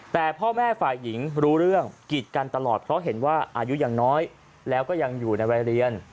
แต่พ่อแม่ฝ่ายหญิงรู้เรื่องกิจกันตลอดเพราะเห็นว่าอายุยังน้อยแล้วก็ยังอยู่ในวัยเรียน